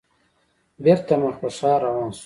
بېرته مخ په ښار روان شوو.